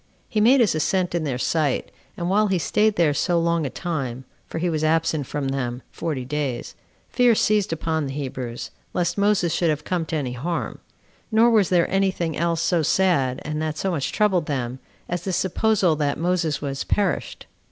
He made his ascent in their sight; and while he staid there so long a time, [for he was absent from them forty days,] fear seized upon the Hebrews, lest Moses should have come to any harm; nor was there any thing else so sad, and that so much troubled them, as this supposal that Moses was perished.